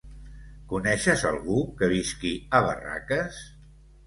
Coneixes algú que visqui a Barraques?